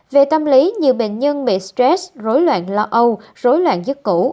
về tâm lý nhiều bệnh nhân bị stress rối loạn lo âu rối loạn dứt củ